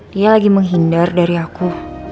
dia lagi menghindar dari aku